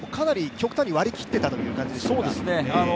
かなり極端に割り切っていたという感じですか。